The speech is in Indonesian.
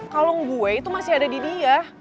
kalung gue itu masih ada di dia